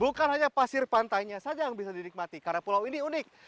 bukan hanya pasir pantainya saja yang bisa dinikmati karena pulau ini unik